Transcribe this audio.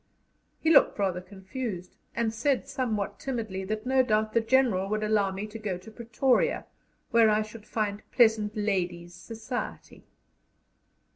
He looked rather confused, and said somewhat timidly that no doubt the General would allow me to go to Pretoria, where I should find "pleasant ladies' society."